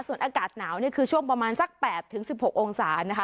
ส่วนอากาศหนาวเนี่ยคือช่วงประมาณสักแปดถึงสิบหกองศานะคะ